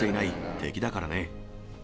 敵だからね。